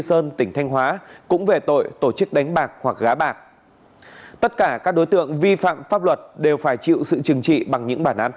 xin chào các bạn